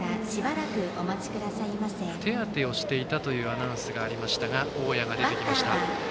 手当てをしていたというアナウンスがありましたが大矢が出てきました。